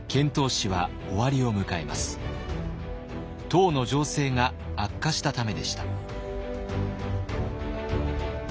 唐の情勢が悪化したためでした。